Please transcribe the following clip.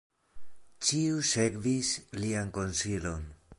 Ĉiu sekvis lian konsilon.